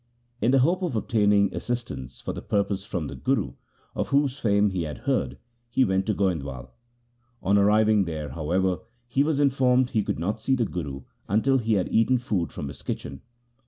In the hope of obtain ing assistance for the purpose from the Guru, of whose fame he had heard, he went to Goindwal. On arriving there, however, he was informed he could not see the Guru until he had eaten food from his kitchen.